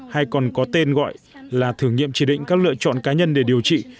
hay còn có tên gọi là thử nghiệm chỉ định các lựa chọn cá nhân để điều trị